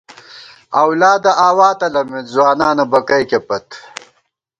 اؤلادہ آوا تلَمېت ، ځوانانہ بکَئیکے پت